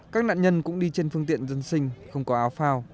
các nạn nhân cũng đi trên phương tiện dân sinh không có áo phao